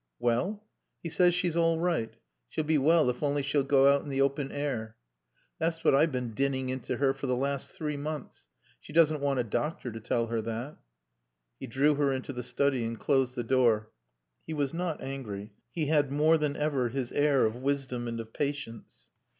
"Well?" "He says she's all right. She'll be well if only she'll go out in the open air." "It's what I've been dinning into her for the last three months. She doesn't want a doctor to tell her that." He drew her into the study and closed the door. He was not angry. He had more than ever his air of wisdom and of patience.